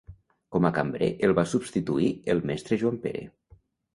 Com a Cambrer el va substituir el mestre Joan Pere.